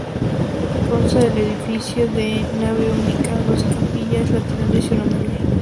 Consta el edificio de nave única, dos capillas laterales y una mayor.